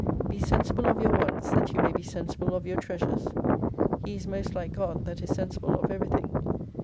Be sensible of your wants, that you may be sensible of your treasures. He is most like God that is sensible of every thing.